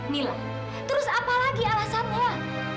mila terus apa lagi alasan ma